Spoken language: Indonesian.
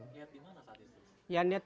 lihat di mana saat ini